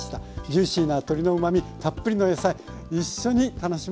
ジューシーな鶏のうまみたっぷりの野菜一緒に楽しめます。